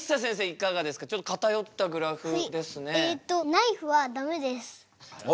ナイフはダメです。